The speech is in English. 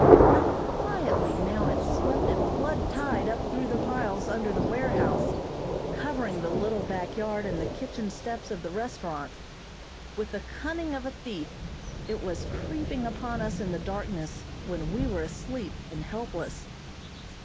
How quietly now it swept at flood tide up through the piles under the warehouse, covering the little back yard and the kitchen steps of the restaurant. With the cunning of a thief it was creeping upon us in the darkness when we were asleep and helpless.